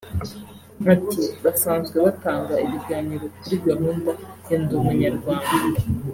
Ati “Basanzwe batanga ibiganiro kuri gahunda ya Ndi Umunyarwanda